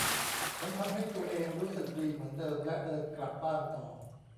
ฉันทำให้ตัวเองรู้สึกดีเหมือนเดิมและเดินกลับบ้านต่อ